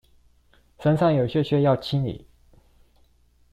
身上有屑屑要清理